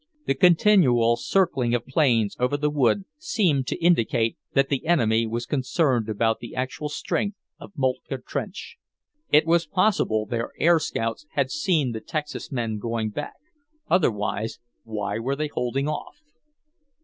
The continual circling of planes over the wood seemed to indicate that the enemy was concerned about the actual strength of Moltke trench. It was possible their air scouts had seen the Texas men going back, otherwise, why were they holding off?